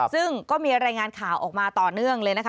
ซึ่งก็มีรายงานข่าวออกมาต่อเนื่องเลยนะคะ